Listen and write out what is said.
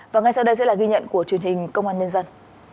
và ngay sau đây sẽ là ghi nhận của truyền hình công an nhân dân